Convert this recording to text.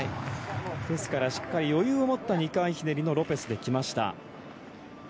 ですからしっかり余裕を持った２回ひねりのロペスできました。